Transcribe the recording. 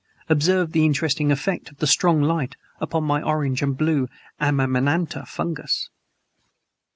Observe the interesting effect of the strong light upon my orange and blue amanita fungus!"